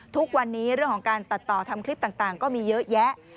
ทุกวันนี้เรื่องของการตัดต่อทำคลิปต่างก็มีเยอะแยะ